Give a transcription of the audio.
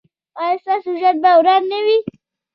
ایا ستاسو ژوند به روان نه وي؟